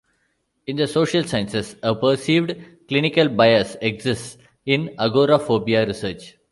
In the social sciences, a perceived clinical bias exists in agoraphobia research.